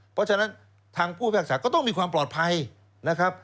เพราะฉะนั้นทางผู้พิพากษาก็ต้องมีความปลอดภัยนะครับ